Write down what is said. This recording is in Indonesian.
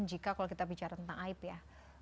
jika kalau kita bicara tentang aib ya